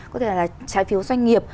có thể là trái phiếu doanh nghiệp